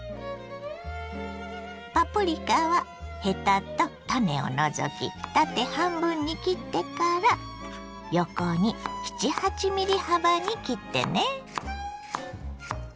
パプリカはヘタと種を除き縦半分に切ってから横に７８ｍｍ幅に切ってね。